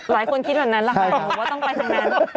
หลายคนคิดเหมือนนั้นรักษาเหรอว่าต้องไปทางนั้น